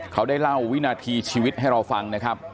เขาได้เล่าวินาทีชีวิตให้เราฟังนะครับ